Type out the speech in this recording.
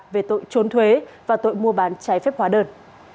về tội trốn thuế và tội mua bán trái phép hóa đơn